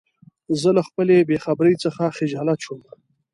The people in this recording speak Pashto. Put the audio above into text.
زه له خپله بېخبری څخه خجالت شوم.